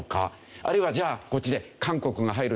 あるいはじゃあこっちで韓国が入るのか。